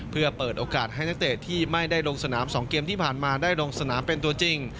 เพื่อเปิดโอกาสให้นักเตะที่ไม่ได้ลงสนาม๒เกมที่ผ่านมาได้ลงสนามเป็นตัวจริง